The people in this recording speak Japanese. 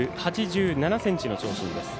１ｍ８７ｃｍの長身です。